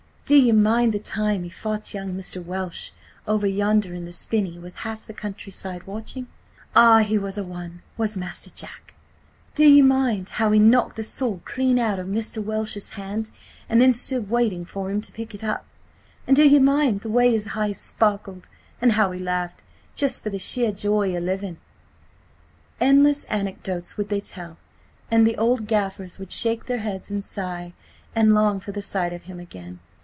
Do ye mind the time he fought young Mr. Welsh over yonder in the spinney with half the countryside watching? Ah, he was a one, was Master Jack! Do ye mind how he knocked the sword clean out o' Mr. Welsh's hand, and then stood waiting for him to pick it up? And do ye mind the way his eyes sparkled, and how he laughed, just for the sheer joy o' living? Endless anecdotes would they tell, and the old gaffers would shake their heads and sigh, and long for the sight of him again.